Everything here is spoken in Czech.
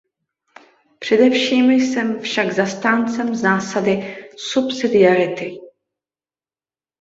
Především jsem však zastáncem zásady subsidiarity.